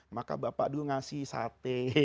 maka bapak dulu ngasih sate